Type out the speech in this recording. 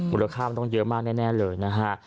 มูลค่ามันต้องเยอะมากแน่เลยนะฮะ